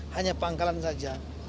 hanya pangkalan saja